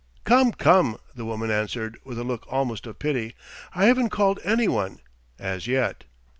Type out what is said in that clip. "Come, come!" the woman answered, with a look almost of pity. "I haven't called anyone as yet."